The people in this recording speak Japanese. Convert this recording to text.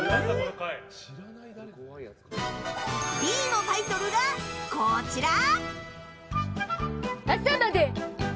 Ｂのタイトルが、こちら！